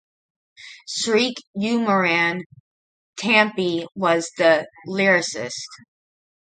Sreekumaran Thampi was the lyricist.